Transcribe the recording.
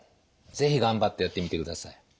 是非頑張ってやってみてください。